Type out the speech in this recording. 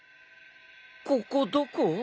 ここどこ？